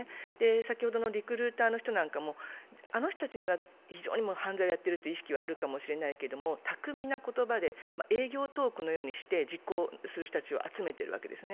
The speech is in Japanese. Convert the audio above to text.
先ほどのリクルーターの人なんかもあの人たちには非常に犯罪をやっているという意識はあるかもしれないけれども巧みな言葉で営業トークのようにして実行する人たちを集めてるわけですね。